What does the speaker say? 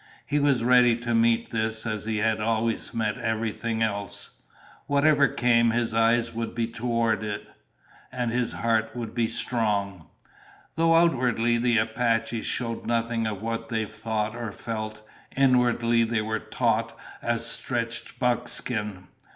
He was ready to meet this as he had always met everything else. Whatever came, his eyes would be toward it, and his heart would be strong. Though outwardly the Apaches showed nothing of what they thought or felt, inwardly they were taut as stretched buckskin.